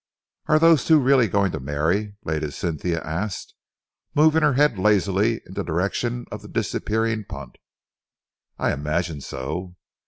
"Are those two really going to marry?" Lady Cynthia asked, moving her head lazily in the direction of the disappearing punt. "I imagine so."